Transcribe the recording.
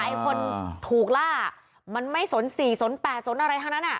คนถูกล่ามันไม่สน๔สน๘สนอะไรทั้งนั้นอ่ะ